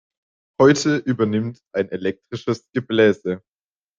Heute übernimmt ein elektrisches Gebläse.